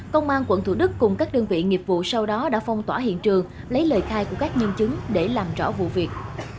công an quận thủ đức cùng các đơn vị nghiệp vụ sau đó đã phong tỏa hiện trường lấy lời khai của các nhân chứng để làm rõ vụ việc